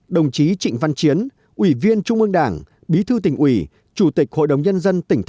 đồng chí trịnh văn chiến